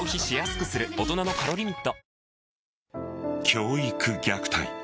教育虐待。